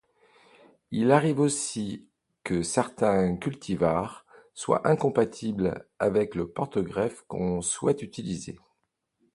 Il arrive aussi que certains cultivars soient incompatibles avec le porte-greffe qu'on souhaite utiliser.